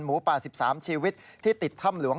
หมูป่า๑๓ชีวิตที่ติดถ้ำหลวง